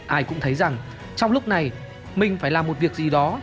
ai cũng thấy rằng trong lúc này mình phải làm một việc gì đó